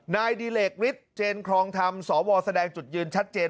นายดิเหลกฤทธิเจนครองธรรมสวแสดงจุดยืนชัดเจน